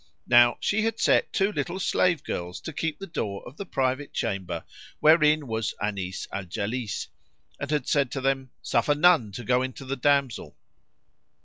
Now she had set two little slave girls to keep the door of the private chamber wherein was Anis al Jalis and had said to them, "Suffer none go in to the damsel."